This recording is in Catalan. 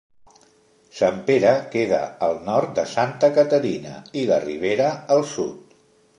Sant Pere queda al nord de Santa Caterina i la Ribera al sud.